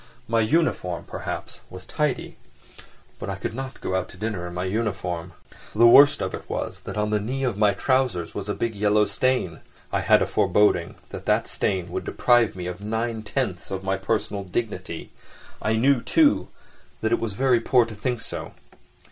My uniform, perhaps, was tidy, but I could not go out to dinner in my uniform. The worst of it was that on the knee of my trousers was a big yellow stain. I had a foreboding that that stain would deprive me of nine tenths of my personal dignity. I knew, too, that it was very poor to think so.